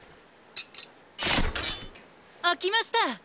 あきました！